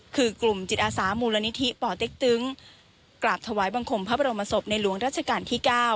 คือกลุ่มจิตอาสามูลนิธิป่อเต็กตึงกราบถวายบังคมพระบรมศพในหลวงราชการที่๙